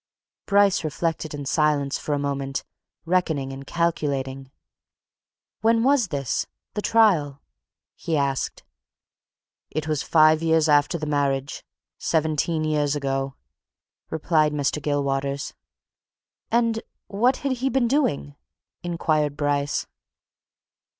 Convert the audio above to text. Bryce reflected in silence for a moment reckoning and calculating. "When was this the trial?" he asked. "It was five years after the marriage seventeen years ago," replied Mr. Gilwaters. "And what had he been doing?" inquired Bryce.